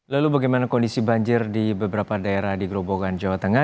lalu bagaimana kondisi banjir di beberapa daerah di grobogan jawa tengah